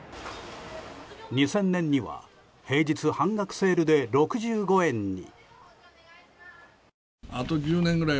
２０００年には平日半額セールで６５円に。